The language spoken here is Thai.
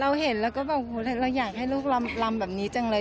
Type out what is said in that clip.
เห็นแล้วก็แบบเราอยากให้ลูกลำแบบนี้จังเลย